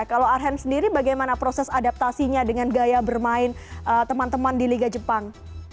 kalau arhan sendiri bagaimana proses adaptasinya dengan gaya bermain teman teman di liga jepang